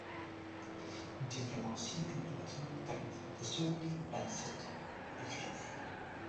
ډيپلوماسي د ملتونو ترمنځ د سولي بنسټ ایښی دی.